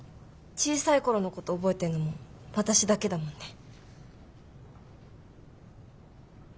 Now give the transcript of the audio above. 小さい頃のこと覚えてんのも私だけだもんね。